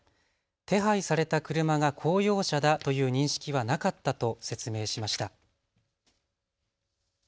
手配された車が公用車だという認識はなかったと説明しました。